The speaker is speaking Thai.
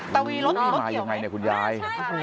อุ้ยมายังไงเนี่ยคุณยาย